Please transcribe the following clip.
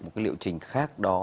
một cái liệu trình khác đó